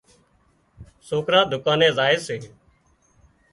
سوڪران دُڪاني زائي سي